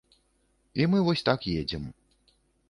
І мы вось так едзем.